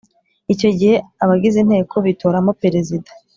Icyo gihe abagize inteko bitoramo Perezida